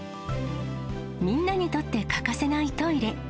みんなにとって欠かせないトイレ。